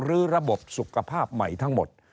หรือระบบสุขภาพใหม่ทั้งหมด